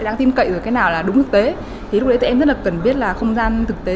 đáng tin cậy rồi cái nào là đúng thực tế thì lúc đấy tụi em rất là cần biết là không gian thực tế